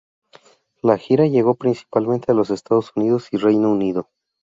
La gira llegó principalmente a los Estados Unidos y Reino Unido.